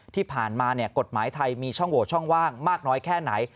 ที่ผ่านมากฎหมายไทยมีช่องโหวตช่องว่างมากน้อยแค่ไหน